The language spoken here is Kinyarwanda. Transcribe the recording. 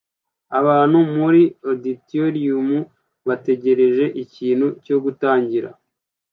Abantu muri auditorium bategereje ikintu cyo gutangira